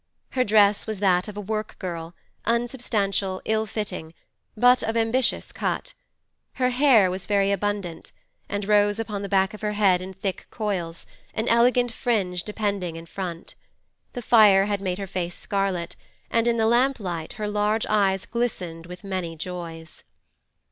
Her dress was that of a work girl, unsubstantial, ill fitting, but of ambitious cut; her hair was very abundant, and rose upon the back of her head in thick coils, an elegant fringe depending in front. The fire had made her face scarlet, and in the lamplight her large eyes glistened with many joys.